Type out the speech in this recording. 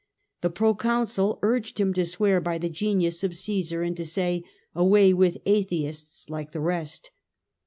The proconsul urged him to swear by the Genius of Caesar, and to say ' Away with the Atheists! ' like the rest.